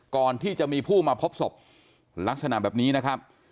ก่อนที่จะมีผู้มาพบศพลักษณะแบบนี้นะครับ